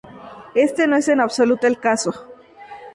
Este no es en absoluto el caso.